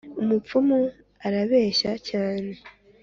Umupfumu arabeshya cyane.